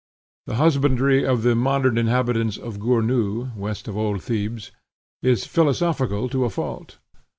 The husbandry of the modern inhabitants of Gournou (west of old Thebes) is philosophical to a fault.